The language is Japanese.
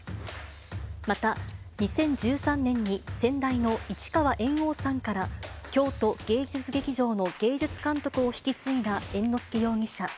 また、２０１３年に先代の市川猿翁さんから京都芸術劇場の芸術監督を引き継いだ猿之助容疑者。